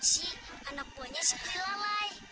si anak buahnya si prilalai